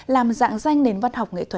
về sông tây đồng đội thôi